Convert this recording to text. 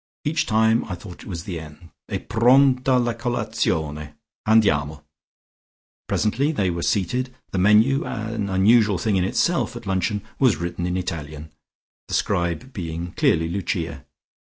Each time I thought it was the end. E pronta la colazione. Andiamo." Presently they were seated; the menu, an unusual thing in itself at luncheon, was written in Italian, the scribe being clearly Lucia.